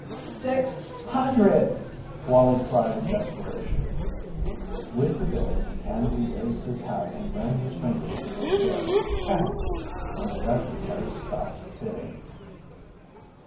"SIX HUNDRED!" Wallie cried in desperation. With the bid Canby raised his hat and ran his fingers through his hair casually and the veterinary stopped bidding.